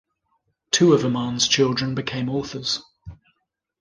Two of Oman's children became authors.